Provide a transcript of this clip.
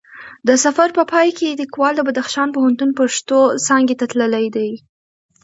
د سفر په پای کې لیکوال د بدخشان پوهنتون پښتو څانګی ته تللی دی